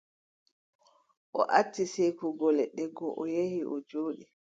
O acci seekugo leɗɗe go, o yehi, o jooɗi.